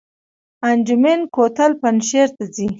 انجمین کوتل پنجشیر ته ځي؟